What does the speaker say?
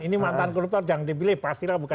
ini mantan koruptor yang dipilih pastilah bukan